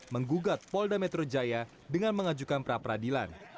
menggugat polda metro jaya dengan mengajukan pra peradilan